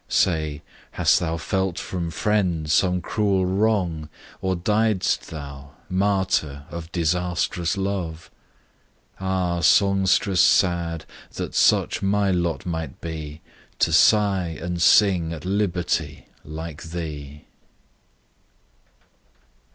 Say hast thou felt from friends some cruel wrong, Or died'st thou martyr of disastrous love? Ah! songstress sad! that such my lot might be, To sigh and sing at Liberty like thee!